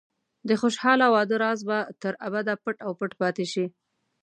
د خوشحاله واده راز به تر ابده پټ او پټ پاتې شي.